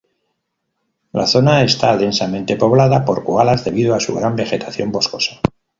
La zona está densamente poblada por koalas debido a su gran vegetación boscosa.